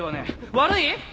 悪い！？